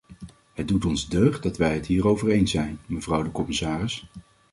Het doet ons deugd dat wij het hierover eens zijn, mevrouw de commissaris.